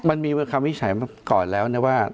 มันมีคำวิจัยมาก่อนแล้วนะว่า